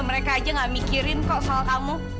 mereka saja tidak memikirkan kok soal kamu